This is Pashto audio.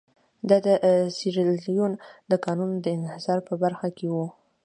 دا د سیریلیون د کانونو د انحصار په برخه کې وو.